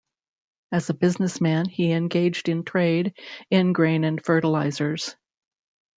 As a businessman, he engaged in trade in grain and fertilizers.